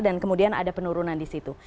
dan kemudian ada penurunan di situ